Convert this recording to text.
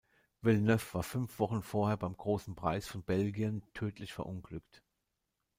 Villeneuve war fünf Wochen vorher beim Großen Preis von Belgien tödlich verunglückt.